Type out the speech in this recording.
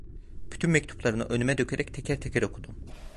Bütün mektuplarını önüme dökerek teker teker okudum.